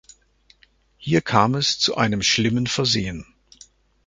Hier kam es zu einem schlimmen Versehen.